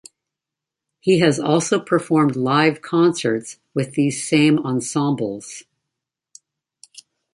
He has also performed live concerts with these same ensembles.